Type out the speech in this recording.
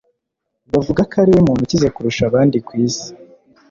Bavuga ko ariwe muntu ukize kurusha abandi ku isi